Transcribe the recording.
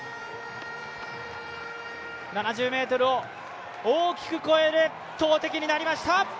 ７０ｍを大きく越える投てきになりました。